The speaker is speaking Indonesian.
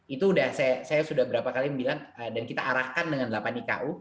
itu sudah saya sudah berapa kali bilang dan kita arahkan dengan delapan iku